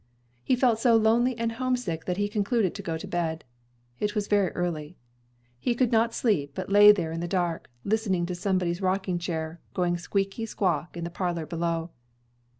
He felt so lonely and homesick that he concluded to go to bed. It was very early. He could not sleep, but lay there in the dark, listening to somebody's rocking chair, going squeakety squeak in the parlor below.